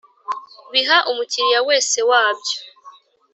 Biha umukiriya wese wabyo